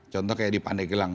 contoh kayak di pandegelang